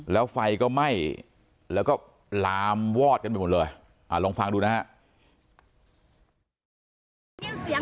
แล้วไฟก็ไหม้แล้วก็ลามวอดกันไปหมดเลยลองฟังดูนะฮะ